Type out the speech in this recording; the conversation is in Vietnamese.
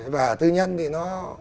và tư nhân thì nó